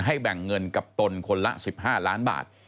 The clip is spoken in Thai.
แบ่งเงินกับตนคนละ๑๕ล้านบาท